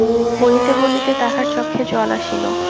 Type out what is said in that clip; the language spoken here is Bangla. বলিতে বলিতে তাঁহার চক্ষে জল আসিল।